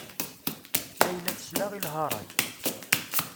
Layla tesla i lharaǧ.